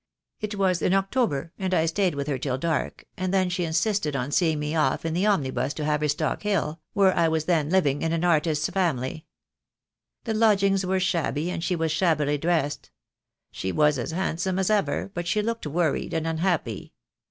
It was in October, and I stayed with her till dark, and then she insisted on seeing me off in the omnibus to Haverstock Hill, where I was then living in an artist's family. The lodgings were shabby, and she was shabbily dressed. She was as handsome as ever, but she looked worried and unhappy.